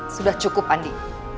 sudah cukup andi